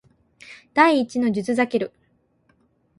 第一の術ザケル